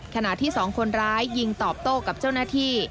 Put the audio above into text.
ขณะที่สองคนร้ายยิงตอบโต้กับเจ้าหน้าที่